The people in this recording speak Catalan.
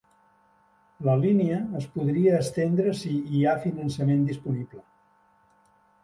La línia es podria estendre si hi ha finançament disponible.